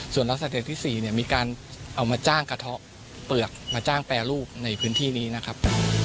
ส่วนลักษณะเดชที่๔มีการเอามาจ้างกระเทาะเปลือกมาจ้างแปรรูปในพื้นที่นี้นะครับ